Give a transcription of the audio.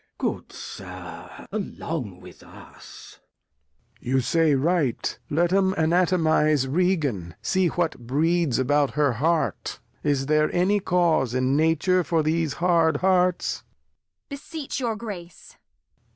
Good Sir, along with us. Lear. You say right, let 'em Anatomize Regan, for what breeds about her Heart; is there any Cause in Nature for these hard Hearts